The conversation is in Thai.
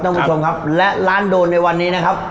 ท่านผู้ชมครับและร้านโดนในวันนี้นะครับ